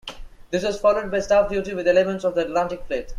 This was followed by staff duty with elements of the Atlantic Fleet.